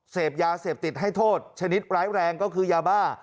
เสพยาเสพติดให้โทษชนิดร้ายแรงก็คือยาบ้า